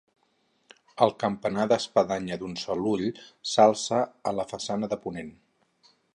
El campanar d'espadanya d'un sol ull s'alça a la façana de ponent.